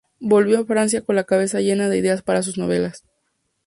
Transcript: Volvió a Francia con la cabeza llena de ideas para sus novelas.